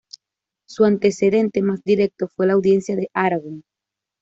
Su antecedente más directo fue la Audiencia de Aragón.